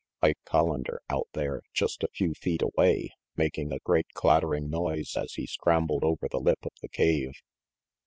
Ike Collander out there, just a few feet away, making a great clattering noise as he scrambled over the lip of the cave.